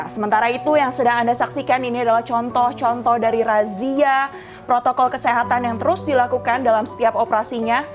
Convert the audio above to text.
sementara itu yang sedang anda saksikan ini adalah contoh contoh dari razia protokol kesehatan yang terus dilakukan dalam setiap operasinya